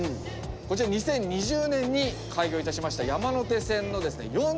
こちら２０２０年に開業いたしました山手線のですね